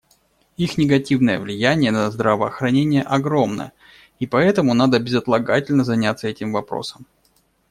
Их негативное влияние на здравоохранение огромно, и поэтому надо безотлагательно заняться этим вопросом.